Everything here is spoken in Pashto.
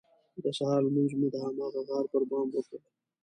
د سهار لمونځ مو د هماغه غار پر بام وکړ.